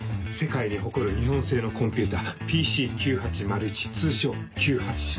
世界に誇る日本製のコンピューター「ＰＣ−９８０１」通称「９８」。